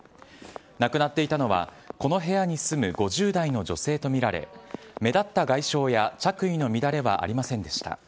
亡くなっていたのは、この部屋に住む５０代の女性と見られ、目立った外傷や着衣の乱れはありませんでした。